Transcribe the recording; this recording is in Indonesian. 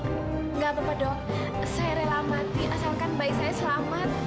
tidak apa apa dong saya rela mati asalkan bayi saya selamat